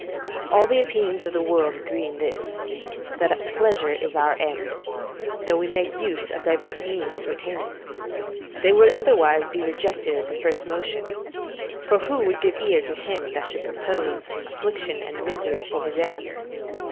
All the opinions of the world agree in this, that pleasure is our end, though we make use of divers means to attain it: they would, otherwise, be rejected at the first motion; for who would give ear to him that should propose affliction and misery for his end?